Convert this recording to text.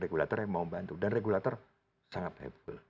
regulator yang mau bantu dan regulator sangat happle